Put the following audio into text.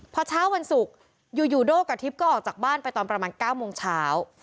พอเช้าวันศุกร์อยู่โด้กับทิพย์ก็ออกจากบ้านไปตอนประมาณ๙โมงเช้า